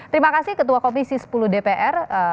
terima kasih ketua komisi sepuluh dpr